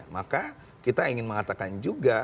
maka kita ingin mengatakan juga